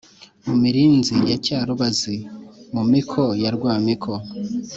mu mirinzi ya cyarubazi: mu miko ya rwamiko